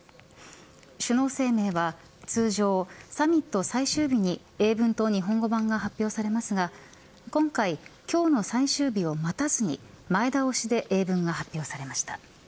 首脳声明は通常サミット最終日に英文と日本語版が発表されますが今回、今日の最終日を待たずに前倒しで英文が発表されました。